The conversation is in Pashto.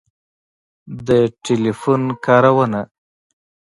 د ټیلیفون کارونه